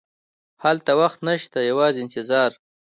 هلته وخت نه شته، یوازې انتظار.